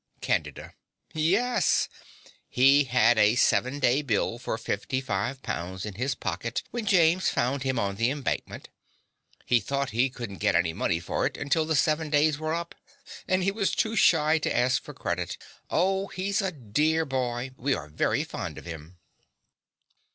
CANDIDA. Yes. He had a seven day bill for 55 pounds in his pocket when James found him on the Embankment. He thought he couldn't get any money for it until the seven days were up; and he was too shy to ask for credit. Oh, he's a dear boy! We are very fond of him.